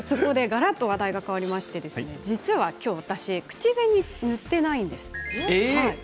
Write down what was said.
がらっと話題が変わりまして、実は今日私、口紅を塗っていないんです。